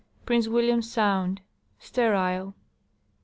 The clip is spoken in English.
Prince William sound. Sterile.